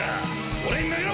俺に投げろ！